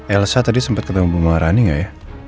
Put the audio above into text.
elsa tadi sempet ketemu ibu maharani gak ya